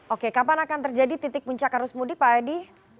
oke kapan akan terjadi titik puncak arus mudik pak edi